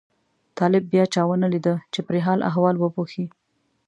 طالب بیا چا ونه لیده چې پرې حال احوال وپوښي.